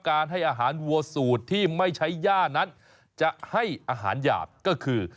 ให้อาหารวัวสูตรที่ไม่ใช้ย่านั้นจะให้อาหารหยาบก็คือ